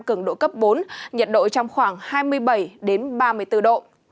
cường độ cấp bốn nhiệt độ trong khoảng hai mươi bảy ba mươi bốn độ